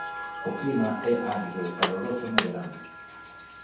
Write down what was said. O clima é árido e caloroso no verán.